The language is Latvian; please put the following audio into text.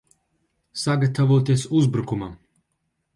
Sagatavoties uzbrukumam!